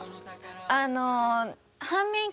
あの。